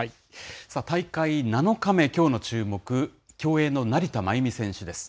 大会７日目、きょうの注目、競泳の成田真由美選手です。